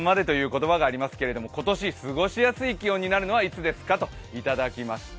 言葉がありますけれども、今年、過ごしやすい気温になるのはいつですか？といただきました。